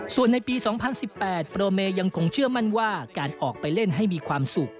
ส่วนในปี๒๐๑๘โปรเมยังคงเชื่อมั่นว่าการออกไปเล่นให้มีความสุข